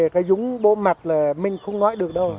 cái dúng bộ mặt là mình không nói được đâu